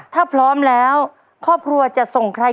ถ้าพร้อมแล้วครอบครัวจะส่งใคร